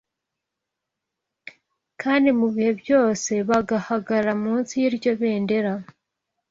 kandi mu bihe byose bagahagarara munsi y’iryo bendera.